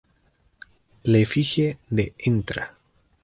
La efigie de Ntra.